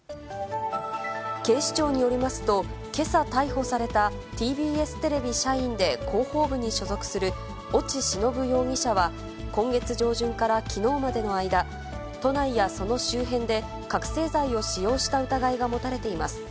警視庁によりますと、けさ逮捕されたＴＢＳテレビ社員で広報部に所属する越智忍容疑者は、今月上旬からきのうまでの間、都内やその周辺で、覚醒剤を使用した疑いが持たれています。